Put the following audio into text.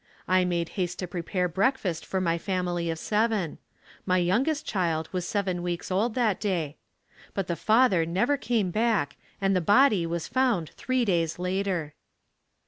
I made haste to prepare breakfast for my family of seven. My youngest child was seven weeks old that day. But the father never came back and the body was found three days later.